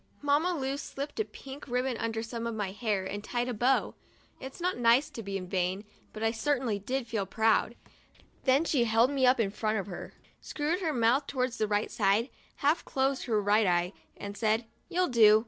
Mamma Lu slipped a pink ribbon under some of my hair and tied a bow. It's not nice to be vain, but I certainly did feel proud. Then she held me up in front of her, screwed her mouth towards the right side, half closed her right eye, and said: "You'll do.